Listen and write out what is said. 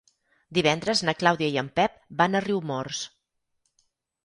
Divendres na Clàudia i en Pep van a Riumors.